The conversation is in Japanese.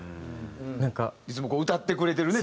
いつも歌ってくれてるね